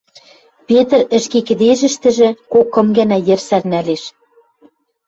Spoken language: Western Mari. Петр ӹшке кӹдежӹштӹжӹ кок-кым гӓнӓ йӹр сӓрнӓлеш.